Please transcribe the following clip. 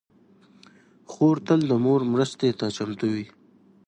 خور تل د مور مرستې ته چمتو وي.